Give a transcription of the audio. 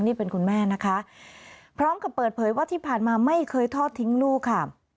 นี่เป็นคุณแม่นะคะพร้อมกับเปิดเผยว่าที่ผ่านมาไม่เคยทอดทิ้งลูกค่ะ